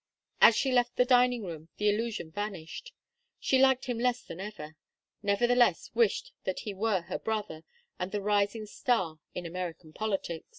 As she left the dining room the illusion vanished. She liked him less than ever, nevertheless wished that he were her brother and the rising star in American politics.